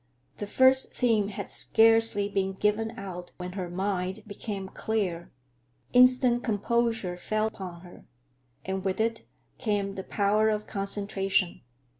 The first theme had scarcely been given out when her mind became clear; instant composure fell upon her, and with it came the power of concentration.